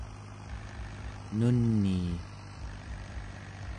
nunii